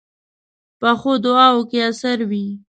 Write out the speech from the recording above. پخو دعاوو کې اثر وي